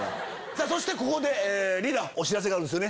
そしてここでリーダーお知らせがあるんですよね。